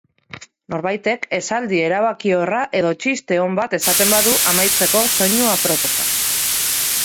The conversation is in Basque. Norbaitek esaldi erabakiorra edo txiste on bat esaten badu amaitzeko soinu aproposa.